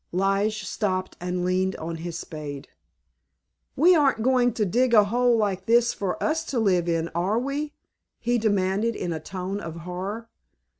Lige stopped and leaned on his spade. "We aren't going to dig a hole like this for us to live in, are we?" he demanded in a tone of horror.